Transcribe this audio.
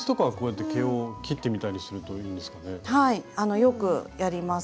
よくやります